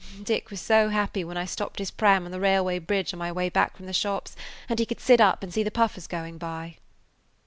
Dick was so happy when I stopped his pram on the railway bridge on my way back from the shops, and he could sit up and see the puffers going by."